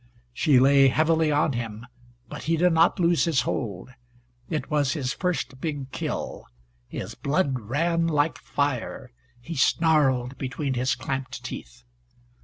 She lay heavily on him, but he did not lose his hold. It was his first big kill. His blood ran like fire. He snarled between his clamped teeth.